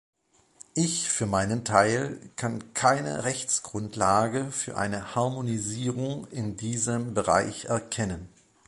Ich für meinen Teil kann keine Rechtsgrundlage für eine Harmonisierung in diesem Bereich erkennen.